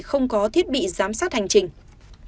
không có thiết bị giám sát hành trình